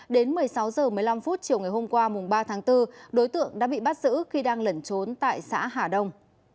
đến một mươi sáu h một mươi năm chiều ngày hôm qua ba tháng bốn đối tượng đã bị bắt giữ khi đang lẩn trốn tại xã hà đông